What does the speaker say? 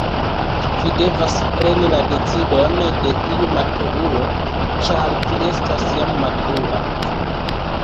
Vi devas preni la decidon de iu maturulo, ĉar vi estas jam matura.